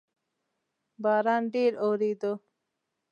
باران ډیر اوورېدو